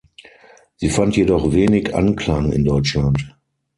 Sie fand jedoch wenig Anklang in Deutschland.